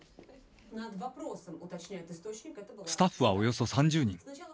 スタッフはおよそ３０人。